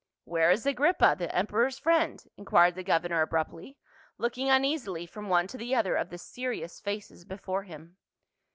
*' Where is Agrippa, the emperor's friend ?" inquired the governor abruptly, looking uneasily from one to the other of the serious faces before him.